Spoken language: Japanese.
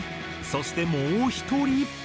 そしてもう１人。